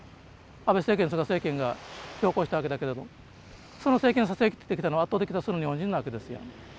安倍政権菅政権が強行したわけだけれどその政権支えてきたのは圧倒的多数の日本人なわけですよ。